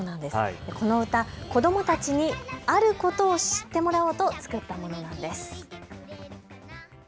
この歌、子どもたちにあることを知ってもらおうと作ったものなんです。